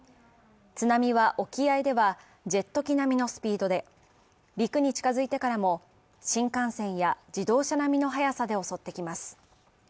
津波は沖合ではジェット機並みのスピードで陸に近づいてからも、新幹線や自動車並みの速さで襲ってきます